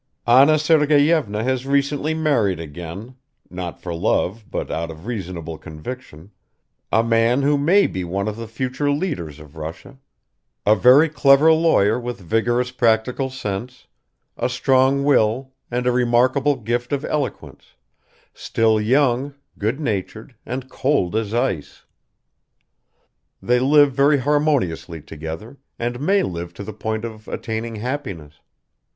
Anna Sergeyevna has recently married again, not for love but out of reasonable conviction, a man who may be one of the future leaders of Russia, a very clever lawyer with vigorous practical sense, a strong will and a remarkable gift of eloquence still young, good natured, and cold as ice. They live very harmoniously together and may live to the point of attaining happiness